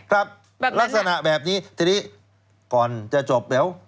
ครับลักษณะแบบนี้ทีนี้ก่อนจะจบเดี๋ยว